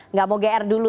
nggak mau gr dulu